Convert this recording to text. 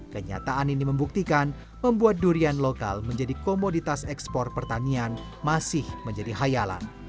kenyataan ini membuktikan membuat durian lokal menjadi komoditas ekspor pertanian masih menjadi hayalan